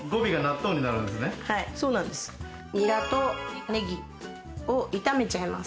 ニラとネギを炒めちゃいます。